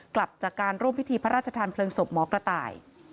กลับจากการร่วมพิธีพระราชทานเพลิงศพหมอกระต่าย